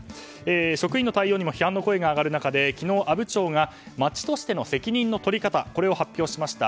職員の対応にも批判の声が上がる中で昨日、阿武町が町としての責任の取り方を発表しました。